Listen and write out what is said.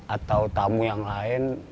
atau tamu yang lain